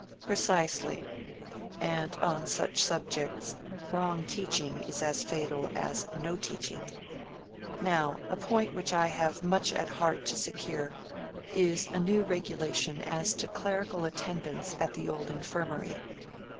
"Precisely. And on such subjects wrong teaching is as fatal as no teaching. Now a point which I have much at heart to secure is a new regulation as to clerical attendance at the old infirmary.